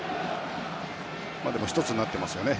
でも１つになっていますね。